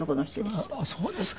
あっそうですか。